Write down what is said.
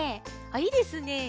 いいですね。